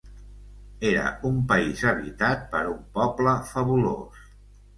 Era un país habitat per un poble fabulós.